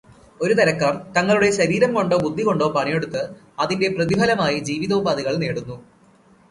ഒരുതരക്കാർ തങ്ങളുടെ ശരീരം കൊണ്ടോ, ബുദ്ധി കൊണ്ടോ പണിയെടുത്ത് അതിന്റെ പ്രതിഫലമായി ജീവിതോപാധികൾ നേടുന്നു.